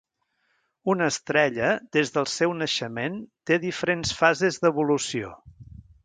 Una estrella des del seu naixement té diferents fases d'evolució.